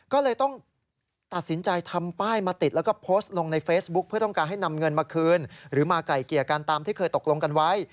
ก็เลยต้องตัดสินใจทำป้ายมาติดแล้วก็โพสต์ลงในเฟซบุ๊คเพื่อต้องการให้นำเงินมาคืนหรือมาไกลเกลี่ยกันตามที่เคยตกลงกันไว้